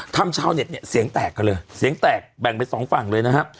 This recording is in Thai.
ชาวเน็ตเนี่ยเสียงแตกกันเลยเสียงแตกแบ่งเป็นสองฝั่งเลยนะครับ